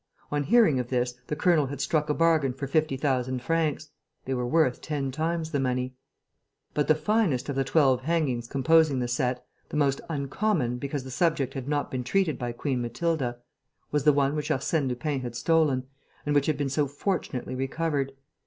On hearing of this, the colonel had struck a bargain for fifty thousand francs. They were worth ten times the money. But the finest of the twelve hangings composing the set, the most uncommon because the subject had not been treated by Queen Matilda, was the one which Arsène Lupin had stolen and which had been so fortunately recovered.